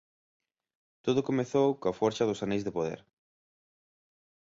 Todo comezou coa forxa dos Aneis de Poder.